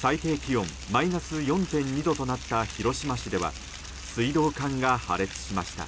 最低気温マイナス４．２度となった広島市では水道管が破裂しました。